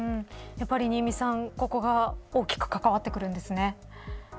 新見さん、ここが大きく関わってくるんですね。